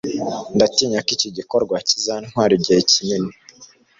Ndatinya ko iki gikorwa kizantwara igihe kinini.